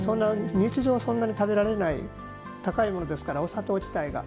日常、そんなに食べれない高いものですからお砂糖自体が。